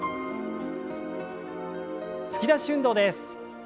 突き出し運動です。